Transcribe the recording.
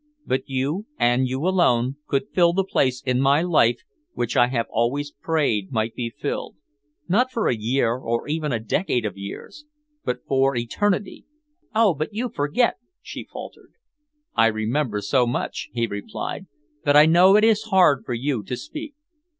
But you, and you alone, could fill the place in my life which I have always prayed might be filled, not for a year or even a decade of years, but for eternity." "Oh, but you forget!" she faltered. "I remember so much," he replied, "that I know it is hard for you to speak.